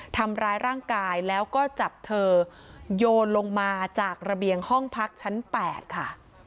ทำร้ายร่างกายแล้วก็จับเธอโยนลงมาจากระเบียงห้องพักชั้น๘ค่ะ